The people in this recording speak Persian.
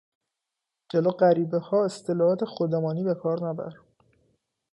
جلو غریبهها اصطلاحات خودمانی به کار نبر.